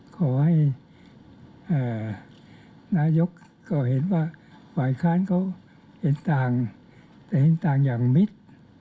ขอให้นายกก็เห็นว่าฝ่ายค้านเขาเห็นต่างแต่เห็นต่างอย่างมิด